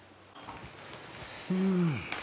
うん。